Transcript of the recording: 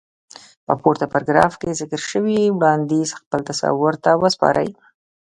په پورته پاراګراف کې ذکر شوی وړانديز خپل تصور ته وسپارئ.